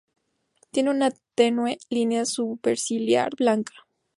Tienen una tenue línea superciliar blanca.